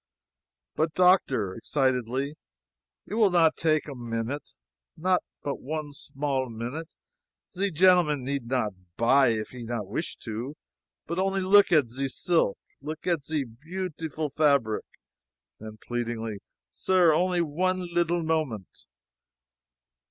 "But, doctor," (excitedly,) "it will take not a minute not but one small minute! Ze gentleman need not to buy if he not wish to but only look at ze silk look at ze beautiful fabric. [Then pleadingly.] Sair just only one leetle moment!"